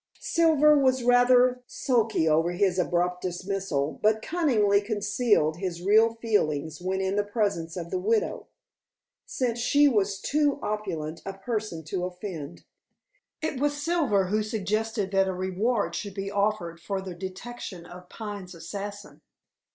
Silver was rather sulky over his abrupt dismissal, but cunningly concealed his real feelings when in the presence of the widow, since she was too opulent a person to offend. It was Silver who suggested that a reward should be offered for the detection of Pine's assassin.